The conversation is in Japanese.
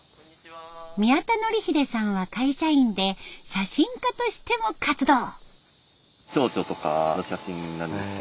宮田紀英さんは会社員で写真家としても活動。